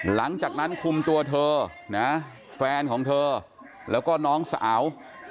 หลังจากนั้นคุมตัวเธอนะแฟนของเธอแล้วก็น้องสาว